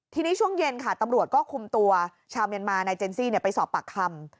ทีนี้ช่วงเย็นค่ะตำรวจก็คุมตัวชาวเมียนมานายเจนซี่ไปสอบปากคำ